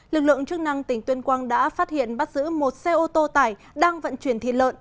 lực lượng chức năng tỉnh tuyên quang đã phát hiện bắt giữ một xe ô tô tải đang vận chuyển thịt lợn